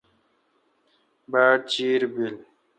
باڑ چیر بل۔